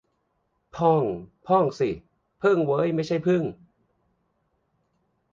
พ่อง - พ่องสิ เพิ่งเว้ย ไม่ใช่พึ่ง